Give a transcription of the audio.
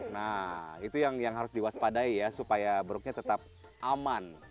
nah itu yang harus diwaspadai ya supaya buruknya tetap aman